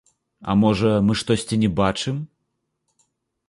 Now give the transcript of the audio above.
А можа мы штосьці не бачым?